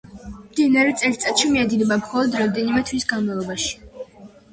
მდინარე წელიწადში მიედინება მხოლოდ რამდენიმე თვის განმავლობაში.